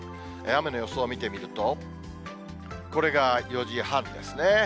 雨の予想を見てみると、これが４時半ですね。